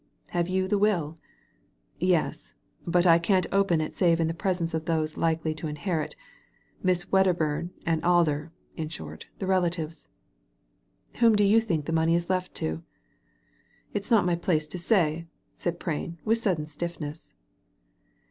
'* "Have you the will?" "Yes. But I can't open it save in the presence of those likely to inherit : Miss Wedderbum and Alder — in short, the relatives." "Whom do you think the money is left to ?'' It's not my place to say," said Prain, with sudden stiffness.